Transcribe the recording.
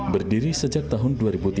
berdiri sejak tahun dua ribu tujuh